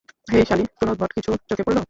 হেই, Sally, কোনো উদ্ভট কিছু চোখে পড়লো?